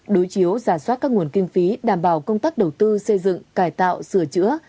đối chiếu giả soát các nguồn kinh phí đảm bảo công tác đầu tư xây dựng cải tạo sửa chữa